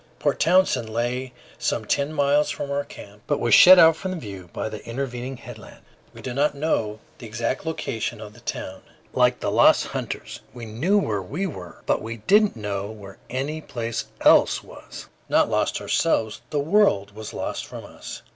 Port Townsend lay some ten miles from our camp, but was shut out from view by an intervening headland. We did not know the exact location of the town. Like the lost hunters, "we knew where we were, but we didn't know where any place else was." Not lost ourselves, the world was lost from us.